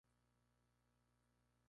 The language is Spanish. ¿comieras tú?